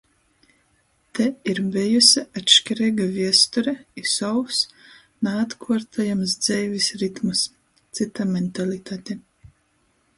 Te ir bejuse atškireiga viesture i sovs, naatkuortojams dzeivis ritms, cyta mentalitate.